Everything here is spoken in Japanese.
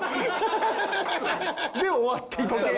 で終わっていったら。